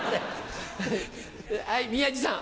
はい宮治さん